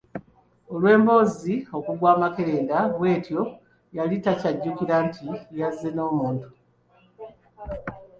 Olw'emboozi okugwa amakerenda bw'etyo, yali takyajjukira nti yazze n'omuntu.